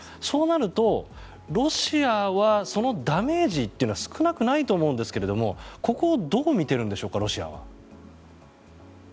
そうなると、ロシアはそのダメージというのは少なくないと思うんですがロシアはここをどう見ているんでしょうか。